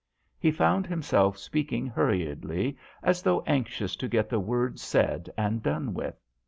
He found himself speaking hurriedly, as though anxious to get the words said and done with.